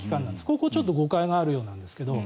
ここ、ちょっと誤解があるようなんですけど。